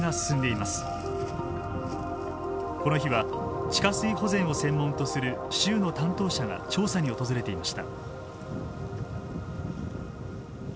この日は地下水保全を専門とする州の担当者が調査に訪れていました。